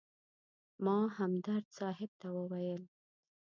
ما همدرد صاحب ته وویل.